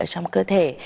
trong cơ thể